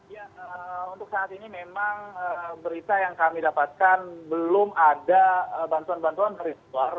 ya untuk saat ini memang berita yang kami dapatkan belum ada bantuan bantuan dari luar